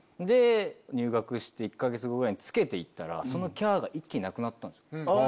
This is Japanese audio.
入学して１か月後ぐらいに着けて行ったらそのキャ！が一気になくなったんですよ。